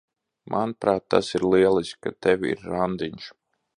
Manuprāt, tas ir lieliski, ka tev ir randiņš.